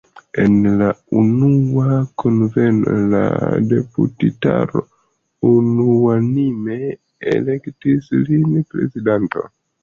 En la unua kunveno la deputitaro unuanime elektis lin prezidanto.